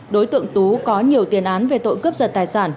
đối tượng tú có nhiều tiền án về tội cướp giật tài sản